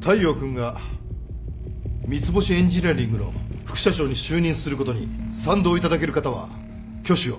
大陽君が三ツ星エンジニアリングの副社長に就任することに賛同いただける方は挙手を